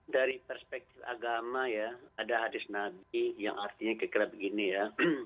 dari perspektif agama ya ada hadis nabi yang artinya kira kira begini ya